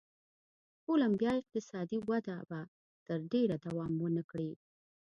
کولمبیا اقتصادي وده به تر ډېره دوام و نه کړي.